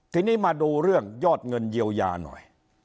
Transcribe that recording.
ทีนี้มาดูเรื่องยอดเงินเยียวยาหน่อย